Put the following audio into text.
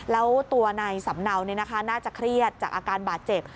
แล้วตัวนายสำเนาน่าจะเครียดจากอาการบาดเจ็บ